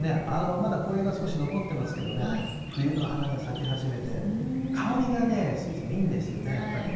まだ紅葉が少し残ってますけれども、冬の花が咲き始めて、香りがスイセン、いいんですよね、やっぱりね。